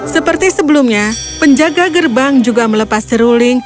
seperti sebelumnya penjaga gerbang juga melepas seruling